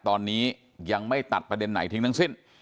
ตอนนี้ยังไม่ตัดประเด็นไหนทิ้งทั้งสิ้น